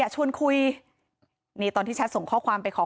มีชายแปลกหน้า๓คนผ่านมาทำทีเป็นช่วยค่างทาง